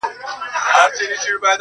پر کور به يو يو سړی راکوئ